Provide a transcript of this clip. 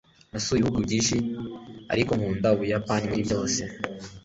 Nasuye ibihugu byinshi ariko nkunda Ubuyapani muri byose